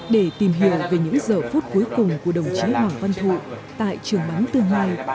để tìm hiểu về những giờ phút cuối cùng của đồng chí hoàng văn thụ tại trường bắn tương lai